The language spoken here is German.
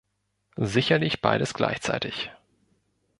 Sicherlich beides gleichzeitig!